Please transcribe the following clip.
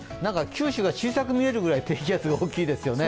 九州が小さく見えるくらい低気圧が大きいですよね。